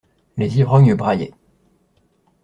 Les ivrognes braillaient.